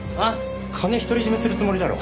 金独り占めするつもりだろ。